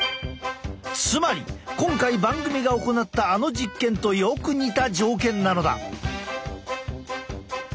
つまり今回番組が行ったあの実験とよく似た条件なのだ。